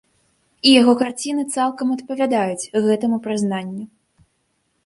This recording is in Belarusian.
І яго карціны цалкам адпавядаюць гэтаму прызнанню.